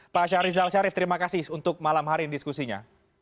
pak syahrizal syarif terima kasih untuk malam hari ini diskusinya